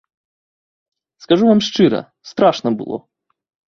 Скажу вам шчыра, страшна было.